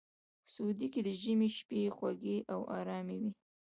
سعودي کې د ژمي شپې خوږې او ارامې وي.